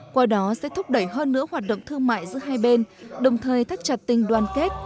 qua đó sẽ thúc đẩy hơn nữa hoạt động thương mại giữa hai bên đồng thời thắt chặt tình đoàn kết